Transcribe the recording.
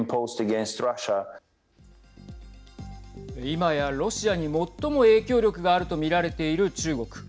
今やロシアに最も影響力があると見られている中国。